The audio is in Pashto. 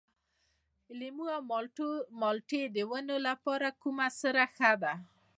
د لیمو او مالټې د ونو لپاره کومه سره ښه ده؟